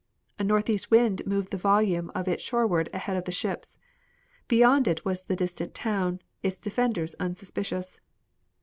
A northeast wind moved the volume of it shoreward ahead of the ships. Beyond it was the distant town, its defenders unsuspicious.